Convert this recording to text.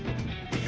え！